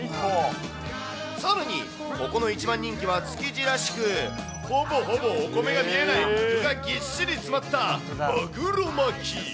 さらにここの一番人気は、築地らしく、ほぼほぼお米が見えない、具がぎっしり詰まったまぐろ巻。